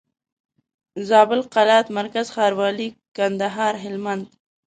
زابل قلات مرکز ښاروالي کندهار هلمند